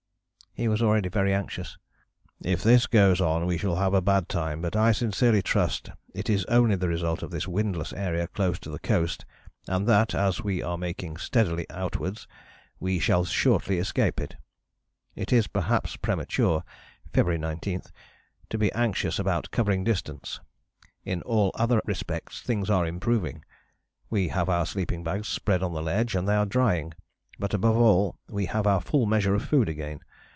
He was already very anxious. "If this goes on we shall have a bad time, but I sincerely trust it is only the result of this windless area close to the coast and that, as we are making steadily outwards, we shall shortly escape it. It is perhaps premature [Feb. 19] to be anxious about covering distance. In all other respects things are improving. We have our sleeping bags spread on the sledge and they are drying, but, above all, we have our full measure of food again.